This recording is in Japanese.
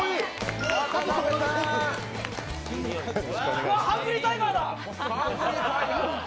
うわ、ハングリータイガーだ！